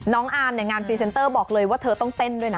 อามเนี่ยงานพรีเซนเตอร์บอกเลยว่าเธอต้องเต้นด้วยนะ